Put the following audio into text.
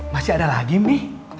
masih ada lagi mi